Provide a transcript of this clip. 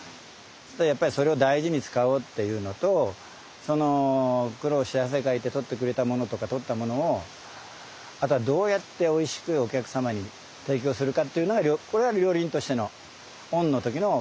そうするとやっぱりそれを大事に使おうっていうのとその苦労して汗かいて採ってくれたものとか採ったものをあとはどうやっておいしくお客様に提供するかっていうのが料理人としてのオンの時の自分の使命だからはい。